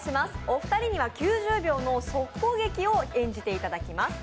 お二人には９０秒の即興劇を演じていただきます。